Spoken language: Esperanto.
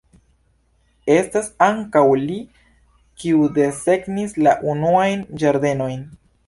Estas ankaŭ li, kiu desegnis la unuajn ĝardenojn.